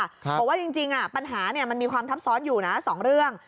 บอกว่าจริงปัญหามันมีความทับซ้อนอยู่นะ๒เรื่อง